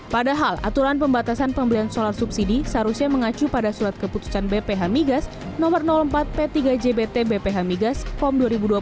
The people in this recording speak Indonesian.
padahal aturan pembatasan pembelian solar subsidi seharusnya mengacu pada surat keputusan bph migas no empat p tiga jbt bph migas pom dua ribu dua puluh